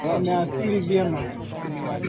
Waimbaji wamewasili vyema